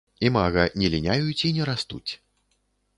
Імага не ліняюць і не растуць.